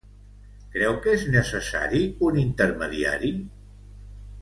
Creu que és necessari un intermediari?